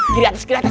kiri atas kiri atas